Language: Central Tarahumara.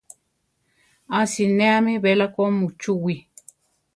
A sinéami belako muchúwii.